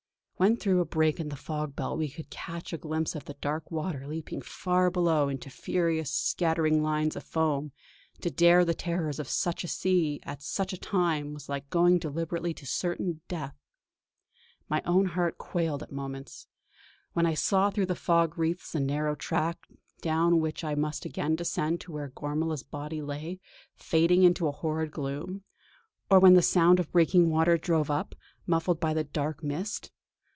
When through a break in the fog belt we could catch a glimpse of the dark water leaping far below into furious, scattering lines of foam, to dare the terrors of such a sea at such a time was like going deliberately to certain death. My own heart quailed at moments; when I saw through the fog wreaths the narrow track, down which I must again descend to where Gormala's body lay, fading into a horrid gloom; or when the sound of breaking water drove up, muffled by the dark mist.